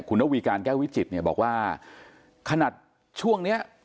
คุณระวีการแก้ววิจิตเนี่ยบอกว่าขนาดช่วงเนี้ย